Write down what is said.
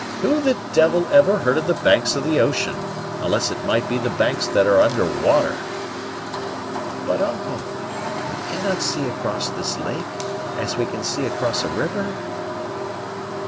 Who the devil ever heard of the banks of the ocean, unless it might be the banks that are under water?" "But, uncle, we cannot see across this lake, as we can see across a river."